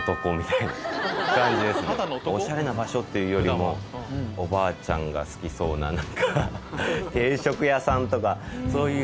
おしゃれな場所っていうよりもおばあちゃんが好きそうな定食屋さんとかそういう。